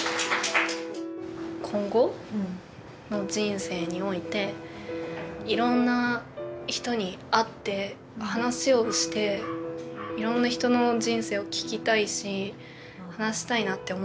今後の人生においていろんな人に会って話をしていろんな人の人生を聞きたいし話したいなって思ってるから。